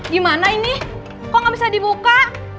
gimana ini kok nggak bisa dibuka